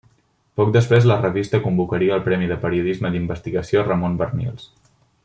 Poc després la revista convocaria el Premi de periodisme d'investigació Ramon Barnils.